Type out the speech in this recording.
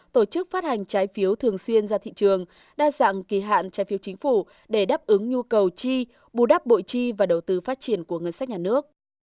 tổ chức phát hành trái phiếu thường xuyên ra thị trường đa dạng kỳ hạn trái phiếu chính phủ để đáp ứng nhu cầu chi bù đắp bội chi và đầu tư phát triển của ngân sách nhà nước